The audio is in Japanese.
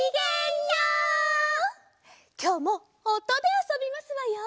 きょうもおとであそびますわよ。